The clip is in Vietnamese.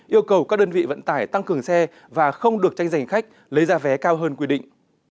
yêu cầu các đơn vị vận tải tăng cường xe và không được tranh giành khách lấy ra vé cao hơn quy định